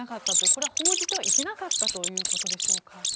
これは報じてはいけなかったということでしょうか。